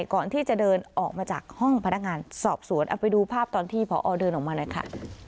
ก่อนที่จะเดินออกมาจากห้องพนักงานสอบสวนเอาไปดูภาพตอนที่พอเดินออกมาหน่อยค่ะ